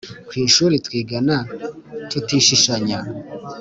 ku ishuri twigana tutishishanya